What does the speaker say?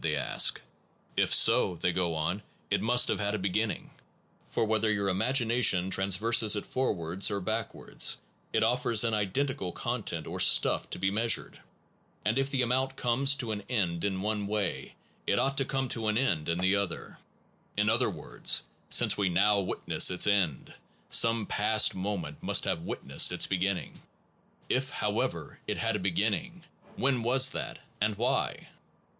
they ask: If so, they go on, it must have had a beginning ; for whether your imagination traverses it forwards or back wards, it offers an identical content or stuff to be measured; and if the amount comes to an end in one way, it ought to come to an end in 40 THE PROBLEM OF BEING the other. In other words, since we now witness its end, some past moment must have wit nessed its beginning. If, however, it had a be ginning, when was that, and why?